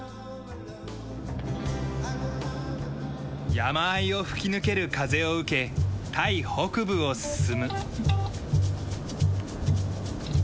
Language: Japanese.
山あいを吹き抜ける風を受けタイ北部を進む。